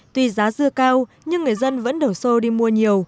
tuy giá dưa cao nhưng người dân vẫn đổ xô đi mua nhiều